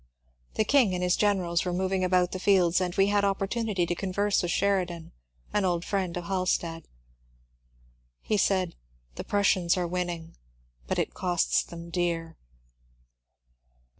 The Elng and his gen erals were moving about the fields, and we had opportunity to converse with Sheridan, — an old friend of Halstead. He said, ^^ The Prussians are winning, but it costs them dear."